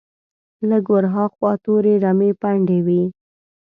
لږ ور هاخوا تورې رمې پنډې وې.